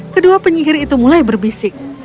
kedua penyihir itu mulai berbisik